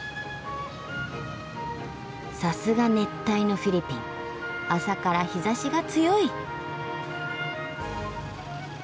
さすが熱帯のフィリピン朝から日ざしが強い。